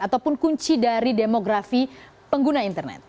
ataupun kunci dari demografi pengguna internet